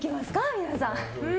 皆さん。